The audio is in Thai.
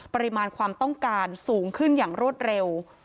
ปริมาณความต้องการสูงขึ้นอย่างรวดเร็ว